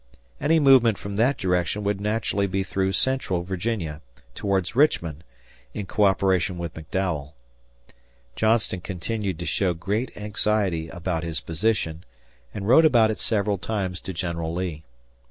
Any movement from that direction would naturally be through central Virginia towards Richmond in coöperation with McDowell. Johnston continued to show great anxiety about his position and wrote about it several times to General Lee.